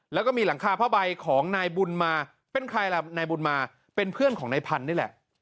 แล้วก็มีหลังคาผ้าใบของนายบุญมาเป็นใครล่ะนายบุญมาเป็นเพื่อนของนายพันธุ์นี่แหละ